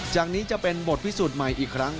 จากนี้จะเป็นบทพิสูจน์ใหม่อีกครั้ง